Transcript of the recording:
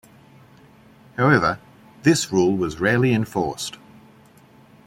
However, this rule was rarely enforced.